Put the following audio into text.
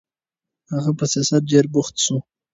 هغه په سیاست کې ډېر بوخت شو.